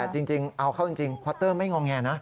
จริงเอาเข้าจริงพอเตอร์ไม่งอแงนะ